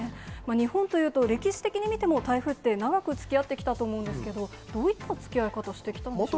日本というと、歴史的に見ても、台風って長くつきあってきたと思うんですけど、どういったつきあい方してきたんでしょうか。